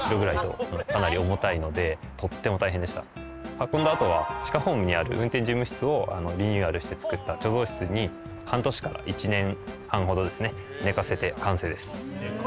運んだあとは地下ホームにある運転事務室をリニューアルして作った貯蔵室に半年から１年半ほどですね寝かせて完成です。